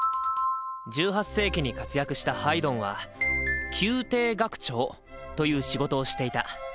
１８世紀に活躍したハイドンは「宮廷楽長」という仕事をしていた。